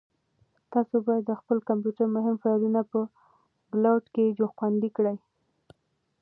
تاسو باید د خپل کمپیوټر مهم فایلونه په کلاوډ کې خوندي کړئ.